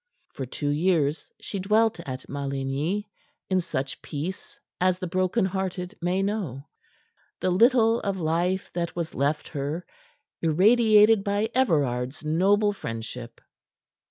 For two years she dwelt at Maligny in such peace as the broken hearted may know, the little of life that was left her irradiated by Everard's noble friendship.